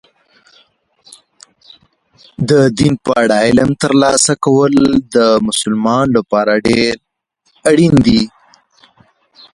د دین په اړه علم ترلاسه کول د مسلمان لپاره ډېر مهم دي.